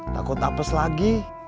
takut apes lagi